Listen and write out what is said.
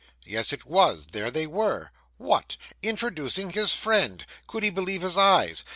Yes, it was; there they were. What! introducing his friend! Could he believe his eyes!